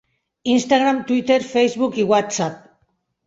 Instagram, Twitter, Facebook i WhatsApp.